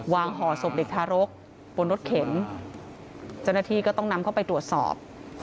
ห่อศพเด็กทารกบนรถเข็นเจ้าหน้าที่ก็ต้องนำเข้าไปตรวจสอบ